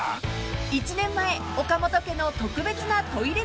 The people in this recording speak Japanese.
［１年前岡本家の特別なトイレ